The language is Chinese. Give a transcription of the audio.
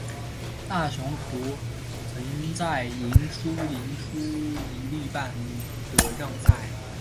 大雄图曾在赢出赢出一哩半的让赛。